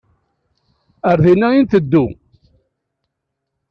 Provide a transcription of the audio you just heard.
Ar dinna i nteddu.